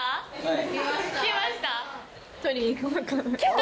はい。